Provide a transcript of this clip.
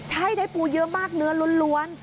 ใช่ได้ปูเยอะมากเนื้อล้วน